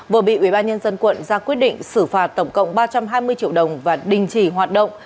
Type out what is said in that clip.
vừa bị ubnd quận ra quyết định xử phạt tổng cộng ba trăm hai mươi triệu đồng và đình chỉ hoạt động